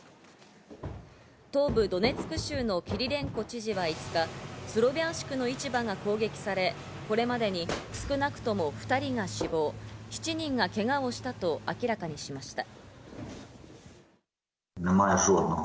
東部ドネツク州のキリレンコ知事は５日、スロビャンシクの市場が攻撃され、これまでに少なくとも２人が死亡、７人がけがをしたと明らかにしました。